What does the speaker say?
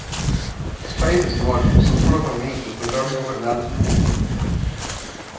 Os países nórdicos são provavelmente os melhores governados no mundo.